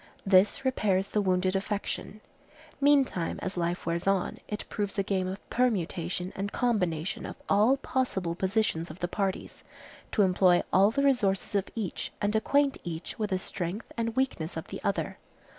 This repairs the wounded affection. Meantime, as life wears on, it proves a game of permutation and combination of all possible positions of the parties, to employ all the resources of each and acquaint each with the strength and weakness of the other.